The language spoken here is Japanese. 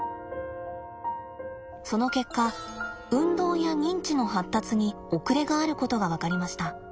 その結果運動や認知の発達に遅れがあることが分かりました。